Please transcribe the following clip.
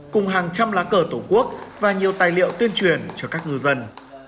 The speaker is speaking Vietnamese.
cùng hàng trăm lá cờ tổ quốc và nhiều tài liệu tuyên truyền cho các ngư dân